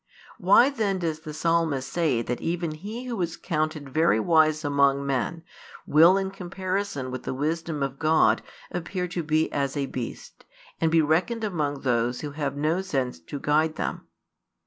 Why then does the Psalmist say that even he who is counted very wise among men will in comparison with the wisdom of God appear to be as a beast, and be reckoned among those who have no sense to guide them?